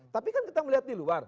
tapi kan kita melihat di luar